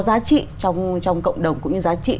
giá trị trong cộng đồng cũng như giá trị